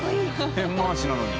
ペン回しなのに。